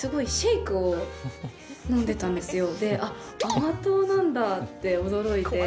甘党なんだ！って驚いて。